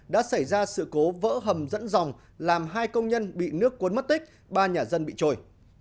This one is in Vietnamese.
đã xảy ra sự cố vỡ hầm dẫn dòng làm hai công nhân bị nước cuốn mất tích ba nhà dân bị trôi